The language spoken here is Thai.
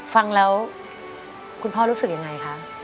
ฟังแล้วคุณพ่อรู้สึกยังไงคะ